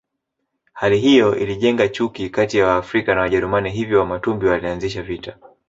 Hali hiyo ilijenga chuki kati ya Waafrika na Wajerumani hivyo Wamatumbi walianzisha vita